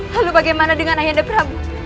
lalu bagaimana dengan ayanda prabu